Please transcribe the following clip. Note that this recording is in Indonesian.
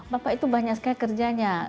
bapak itu banyak sekali kerjanya